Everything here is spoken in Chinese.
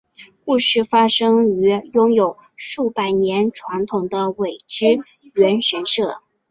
故事发生于拥有数百年传统的苇之原神社。